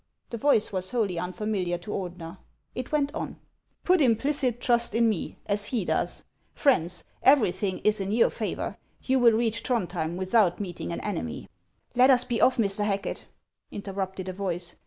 The voice was wholly unfamiliar to Ordener. It went on :" Put implicit trust in me, as he does. Friends, everything is in your favor ; you will reach Throndhjem without meeting an enemy." " Let us be oft", Mr. Hacket," interrupted a voice.